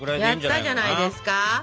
やったんじゃないですか？